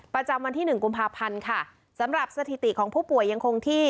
ประจำวันที่หนึ่งกุมภาพันธ์ค่ะสำหรับสถิติของผู้ป่วยยังคงที่